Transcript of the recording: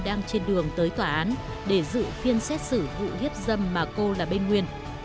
cô đã đặt mục tiêu trên đường tới tòa án để dự phiên xét xử vụ hiếp dâm mà cô là bên nguyên